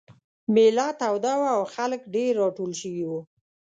مېله توده وه او خلک ډېر راټول شوي وو.